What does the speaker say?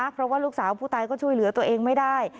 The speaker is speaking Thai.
เพราะว่าลูกสาวผู้ตายก็ช่วยเหลือตัวเองไม่ได้